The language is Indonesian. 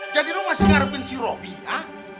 jadi lu masih ngarepin si robby ya